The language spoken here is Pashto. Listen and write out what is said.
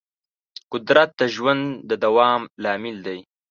قدرت د ژوند د دوام لامل دی.